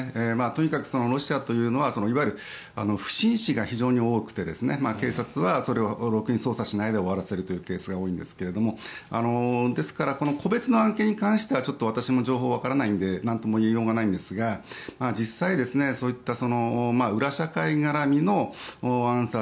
とにかくロシアというのはいわゆる不審死が非常に多くて警察はそれをろくに捜査しないで終わらせるケースが多いんですけども個別の案件に関してはちょっと私も情報がわからないので何も言いようがないんですが実際、そういった裏社会絡みの暗殺